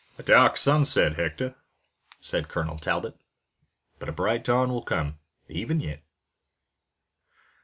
"A dark sunset, Hector," said Colonel Talbot, "but a bright dawn will come, even yet."